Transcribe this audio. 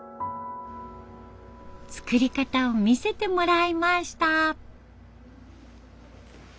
作り方を見せてもらいました。